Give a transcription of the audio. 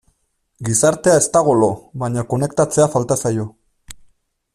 Gizartea ez dago lo, baina konektatzea falta zaio.